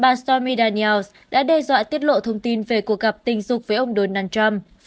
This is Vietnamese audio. bà stormy daniels đã đe dọa tiết lộ thông tin về cuộc gặp tình dục với ông donald trump